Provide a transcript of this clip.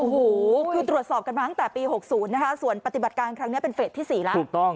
โอ้โหคือตรวจสอบกันมาตั้งแต่ปี๖๐นะคะส่วนปฏิบัติการครั้งนี้เป็นเฟสที่๔แล้วถูกต้อง